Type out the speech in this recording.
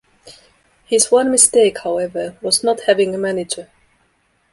His one mistake, however, was not having a manager.